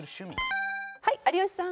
はい有吉さん。